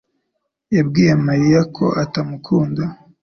yabwiye Mariya ko atamukunda.